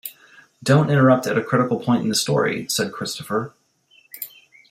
"Don't interrupt at a critical point in the story," said Christopher.